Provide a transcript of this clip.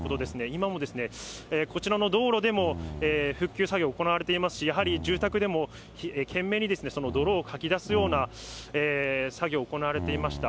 今もこちらの道路でも、復旧作業行われていますし、やはり住宅でも懸命に泥をかき出すような作業を行われていました。